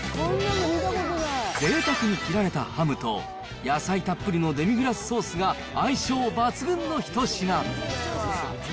ぜいたくに切られたハムと、野菜たっぷりのデミグラスソースが相性抜群の一品。